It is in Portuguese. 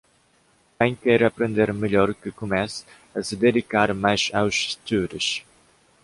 quem quer aprender melhor que comesse a se dedicar mais aos estudos